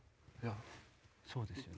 そうですよね。